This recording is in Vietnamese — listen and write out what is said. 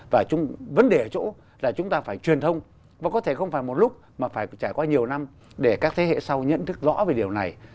và vấn đề ở chỗ là chúng ta phải truyền thông và có thể không phải một lúc mà phải trải qua nhiều năm để các thế hệ sau nhận thức rõ về điều này